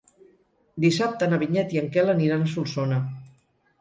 Dissabte na Vinyet i en Quel aniran a Solsona.